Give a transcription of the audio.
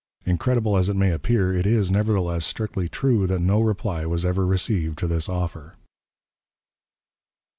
Incredible as it may appear, it is, nevertheless, strictly true that no reply was ever received to this offer.